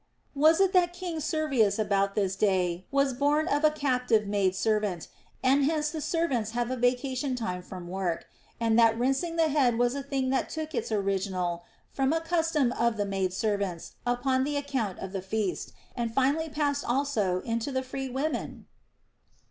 Was it that King Servius about this day was born of a captive maid servant, and hence the servants have a vacation time from work ; and that rinsing the head was a thing that took its original from a custom of the maid servants upon the account of the feast, and finally passed also into the free women